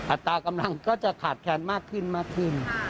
อัตรากำลังก็จะขาดแคลนมากขึ้น